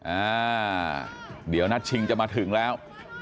อ่าเดี๋ยวนัดชิงจะมาถึงแล้ว